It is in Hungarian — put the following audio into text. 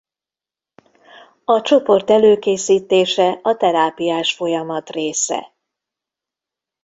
A csoport előkészítése a terápiás folyamat része.